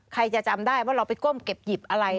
ใครจะจำได้ว่าเราไปก้มเก็บหยิบอะไร